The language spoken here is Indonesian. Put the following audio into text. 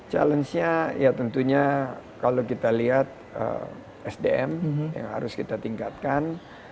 challenge nya ya tentunya kalau kita lihat sdm yang harus kita tingkatkan